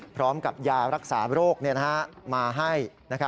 พร้อมกับยารักษาโรคมาให้